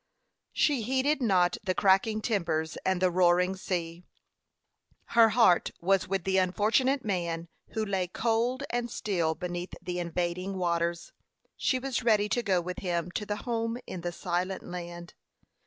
She heeded not the cracking timbers and the roaring sea. Her heart was with the unfortunate man who lay cold and still beneath the invading waters. She was ready to go with him to the home in the silent land.